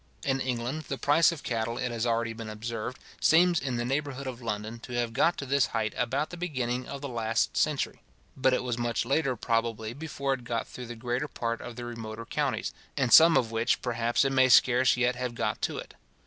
In England, the price of cattle, it has already been observed, seems, in the neighbourhood of London, to have got to this height about the beginning of the last century; but it was much later, probably, before it got through the greater part of the remoter counties, in some of which, perhaps, it may scarce yet have got to it.